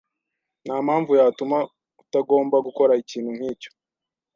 Ntampamvu yatuma utagomba gukora ikintu nkicyo